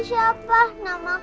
ini suratnya sama dengan nama nino